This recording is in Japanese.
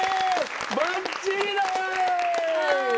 ばっちりだよ！